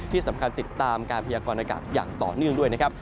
ที่สำคัญติดตามการพยากรณากาศอย่างต่อเนื่องด้วยนะครับ